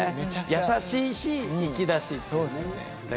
優しいし粋だし。